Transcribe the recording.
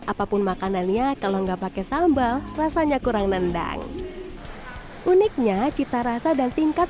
apapun makanannya kalau enggak pakai sambal rasanya kurang nendang uniknya cita rasa dan tingkat